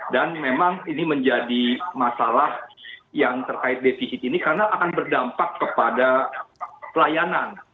dan memang ini menjadi masalah yang terkait defisit ini karena akan berdampak kepada pelayanan